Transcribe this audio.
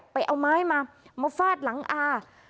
ไปเอาไม้มามาฟาดหลังอา